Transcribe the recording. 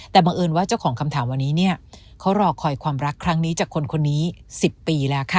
แต่บังเอิญว่าเจ้าของคำถามวันนี้เนี่ยเขารอคอยความรักครั้งนี้จากคนคนนี้๑๐ปีแล้วค่ะ